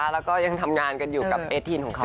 แล้วก็ยังทำงานกันอยู่กับเอสทีนของเขา